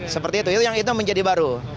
seperti itu yang itu menjadi baru